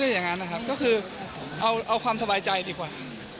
อย่างนั้นนะครับก็คือเอาความสบายใจดีกว่า